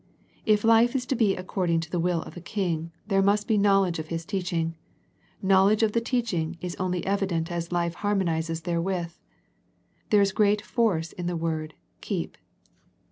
If life is to be accord ing to the will of the King, there must be knowledge of His teaching. Knowledge of the teaching is only evident as life harmonizes therewith. There is great force in the word " keep."